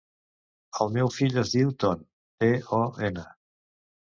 El meu fill es diu Ton: te, o, ena.